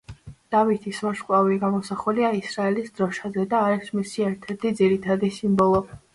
დავითის ვარსკვლავი გამოსახულია ისრაელის დროშაზე და არის მისი ერთ-ერთი ძირითადი სიმბოლო.